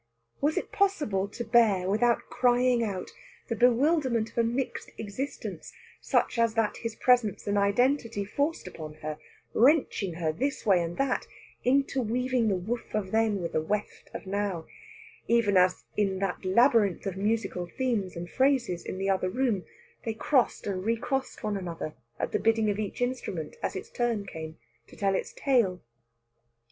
Was it possible to bear, without crying out, the bewilderment of a mixed existence such as that his presence and identity forced upon her, wrenching her this way and that, interweaving the woof of then with the weft of now, even as in that labyrinth of musical themes and phrases in the other room they crossed and recrossed one another at the bidding of each instrument as its turn came to tell its tale?